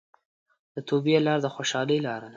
د توبې لار د خوشحالۍ لاره ده.